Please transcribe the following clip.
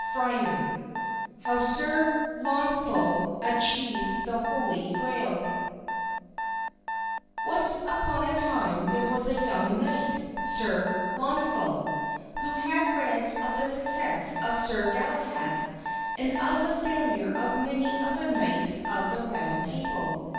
XXVI HOW SIR LAUNFAL ACHIEVED THE HOLY GRAIL ONCE upon a time there was a young knight, Sir Launfal, who had read of the success of Sir Galahad, and of the failure of many of the knights of the Round Table.